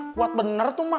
kuat bener tuh ma